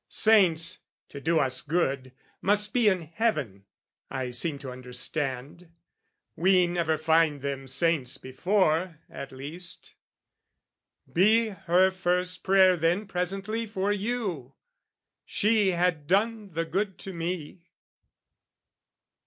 Saints, to do us good, Must be in heaven, I seem to understand: We never find them saints before, at least. Be her first prayer then presently for you She had done the good to me...